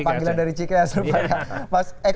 kena panggilan dari cik nasr pak